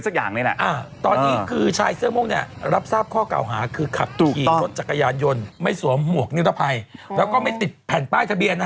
อย่างนี้แหละตอนนี้คือชายเสื้อม่วงเนี่ยรับทราบข้อเก่าหาคือขับขี่รถจักรยานยนต์ไม่สวมหมวกนิรภัยแล้วก็ไม่ติดแผ่นป้ายทะเบียน